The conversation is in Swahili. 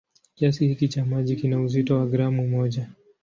Kiasi hiki cha maji kina uzito wa gramu moja.